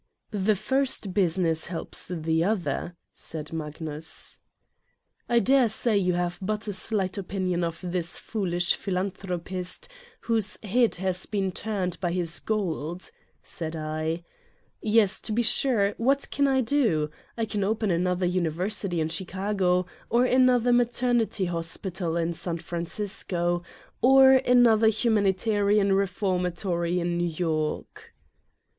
"The first business helps the other," said Magnus. "I dare say you have but a slight opinion of this foolish philanthropist whose head has been turned by his gold," said I. "Yes, to be sure, what can I do? I can open another university in Chicago, or another maternity hospital in San Francisco, or another humanitarian reformatory in New York."